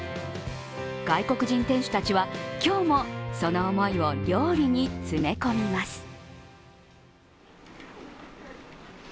外国人店主たちは、今日もその思いを料理に詰め込みます。